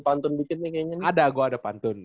pantun bikin nih kayaknya nih ada gue ada pantun